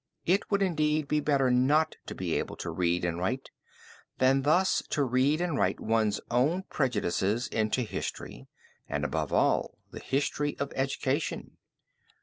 It would indeed be better not to be able to read and write than thus to read and write one's own prejudices into history, and above all the history of education.